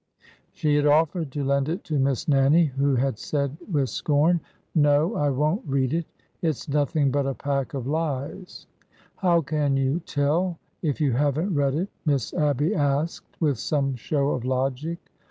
She had offered to lend it to Miss Nannie, who had said with scorn : ''No; I won't read it! It's nothing but a pack of lies 1 " ''How can you tell if you haven't read it?" Miss Abby asked, with some show of logic.